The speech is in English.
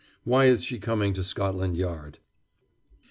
Why is she coming to Scotland Yard?"